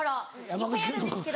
いっぱいあるんですけど。